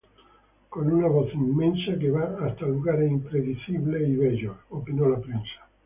Con una voz inmensa que va hasta lugares impredecibles y bellos... opinó la Prensa.